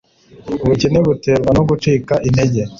Ubukene buterwa no gucika intege